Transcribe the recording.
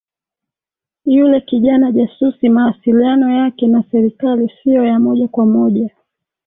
Yule kijana jasusi mawasiliano yake na serikali sio ya moja kwa moja